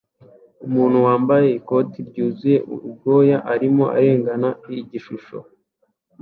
Umuntu wambaye ikote ryuzuye ubwoya arimo arengana igishusho